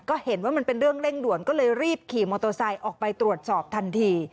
ก็เห็นว่ามันเป็นเรื่องเร่งด่วนก็เลยรีบขี่มอเตอร์ไซค์ออกไปตรวจสอบทันที